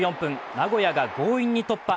名古屋が強引に突破。